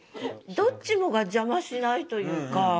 どっちもが邪魔しないというか。